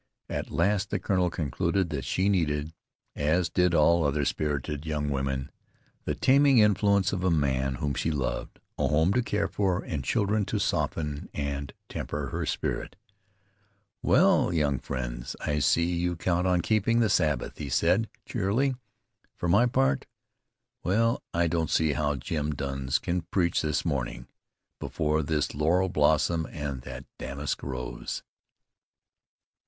At last the colonel concluded that she needed, as did all other spirited young women, the taming influence of a man whom she loved, a home to care for, and children to soften and temper her spirit. "Well, young friends, I see you count on keeping the Sabbath," he said cheerily. "For my part, Will, I don't see how Jim Douns can preach this morning, before this laurel blossom and that damask rose."